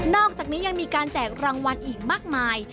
อกจากนี้ยังมีการแจกรางวัลอีกมากมาย